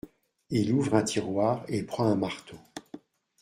Il ouvre un tiroir et prend un marteau.